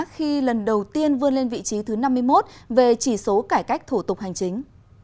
khi lần đầu tiên vươn lên vị trí thứ năm mươi một về chỉ số cải cách thủ tục hành chính